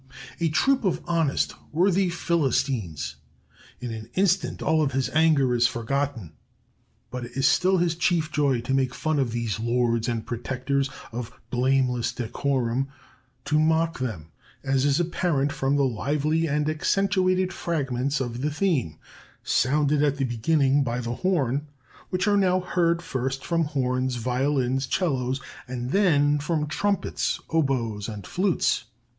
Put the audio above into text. A troop of honest, worthy Philistines! In an instant all his anger is forgotten. But it is still his chief joy to make fun of these lords and protectors of blameless decorum, to mock them, as is apparent from the lively and accentuated fragments of the theme, sounded at the beginning by the horn, which are now heard first from horns, violins, 'cellos, and then from trumpets, oboes, and flutes.